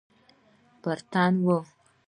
پر تن وه.